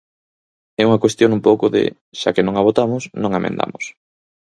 É unha cuestión un pouco de: xa que non a votamos, non a emendamos.